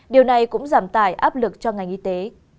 điều này cũng giảm tải áp lực cho ngành y tế